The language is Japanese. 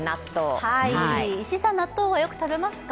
石井さん、納豆はよく食べますか。